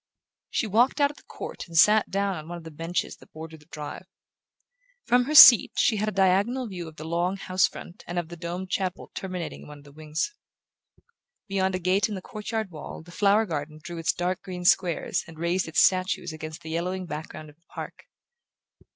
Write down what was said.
She walked out of the court and sat down on one of the benches that bordered the drive. From her seat she had a diagonal view of the long house front and of the domed chapel terminating one of the wings. Beyond a gate in the court yard wall the flower garden drew its dark green squares and raised its statues against the yellowing background of the park.